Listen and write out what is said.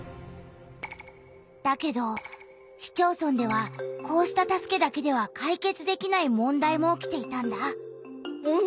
だけど市町村ではこうした助けだけでは解決できない問題も起きていたんだ。